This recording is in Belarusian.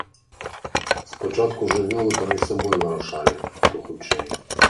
Спачатку жывёлы паміж сабой вырашалі, хто хутчэй.